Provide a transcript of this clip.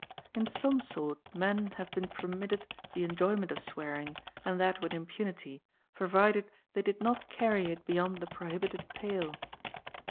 In some sort men have been permitted the enjoyment of swearing, and that with impunity, provided they did not carry it beyond the prohibited pale.